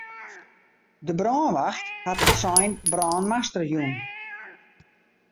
De brânwacht hat it sein brân master jûn.